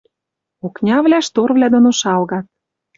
Окнявлӓ шторвлӓ дон ошалгат.